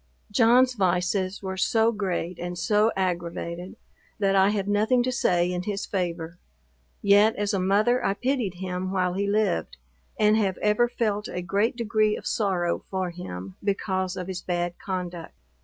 John's vices were so great and so aggravated, that I have nothing to say in his favor: yet, as a mother, I pitied him while he lived, and have ever felt a great degree of sorrow for him, because of his bad conduct.